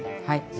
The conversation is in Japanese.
はい。